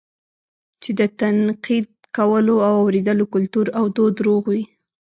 چې د تنقيد کولو او اورېدلو کلتور او دود روغ وي